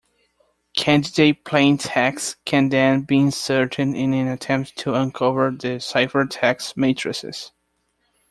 Candidate plaintext can then be inserted in an attempt to uncover the ciphertext matrices.